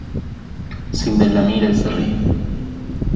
Sindel la mira y se rie.